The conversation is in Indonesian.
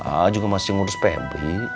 agah juga masing ngurus febri